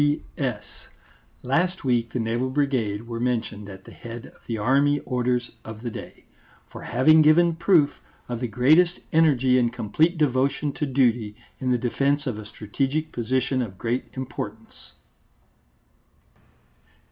P.S. Last week the Naval Brigade were mentioned at the head of the Army Orders of the day, _for having given proof of the greatest energy and complete devotion to duty in the defence of a strategic position of great importance_.